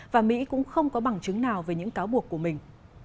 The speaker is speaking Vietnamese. và mỹ cũng không có bằng chứng nào về những cáo buộc của mình